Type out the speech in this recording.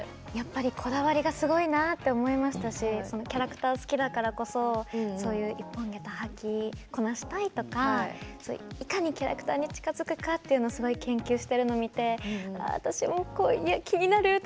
こだわりがすごいなって思いましたしキャラクターが好きだからこそそういう一本下駄を履きこなしたいとかいかにキャラクターに近づくかすごく研究しているの見て私もこういうの気になるって。